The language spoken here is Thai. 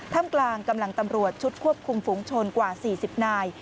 มกลางกำลังตำรวจชุดควบคุมฝุงชนกว่า๔๐นาย